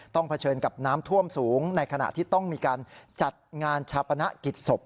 เผชิญกับน้ำท่วมสูงในขณะที่ต้องมีการจัดงานชาปนกิจศพ